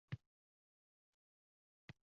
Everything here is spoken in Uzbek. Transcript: Mana sizning jonon piyolangiz